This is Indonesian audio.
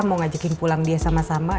mau ngajakin pulang dia sama sama